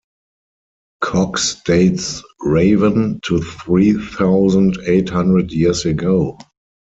Cox dates Ravan to "three thousand eight hundred years ago".